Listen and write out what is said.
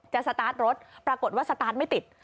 สตาร์ทรถปรากฏว่าสตาร์ทไม่ติด